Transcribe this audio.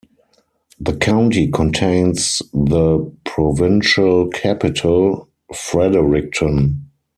The county contains the provincial capital, Fredericton.